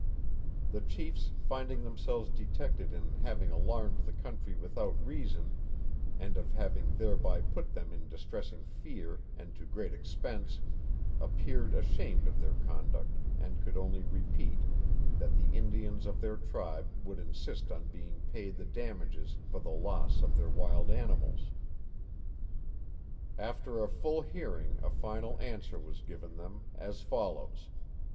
The Chiefs finding themselves detected in having alarmed the country without reason and of having thereby put them in distressing fear and to great expence, appeared ashamed of their conduct, and could only repeat that the Indians of their tribe would insist on being paid the damages for the loss of their wild animals. After a full hearing a final answer was given them; as follows.